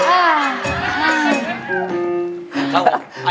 ใช่ครับ